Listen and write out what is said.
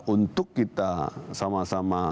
untuk kita sama sama